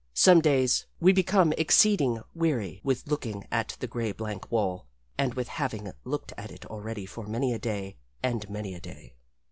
Some days we become exceeding weary with looking at the great blank wall and with having looked at it already for many a day, and many a day.